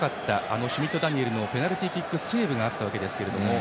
あのシュミット・ダニエルのペナルティーキックセーブがあったわけですけれども。